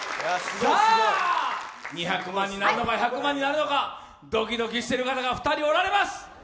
２００万になるのか、１００万になるのかドキドキしてる方が２人おられます。